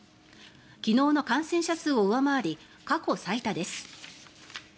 昨日の感染者数を上回り過去最多です。